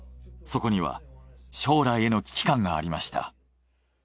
そこには将来への危機感がありました。